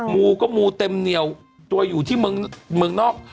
มูก็มูเต็มเหนียวตัวอยู่ที่เมืองนอก